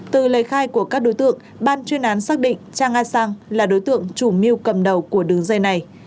từ lời khai của các đối tượng ban chuyên án xác định cha nga sang là đối tượng chủ mưu cầm đầu của đường dây này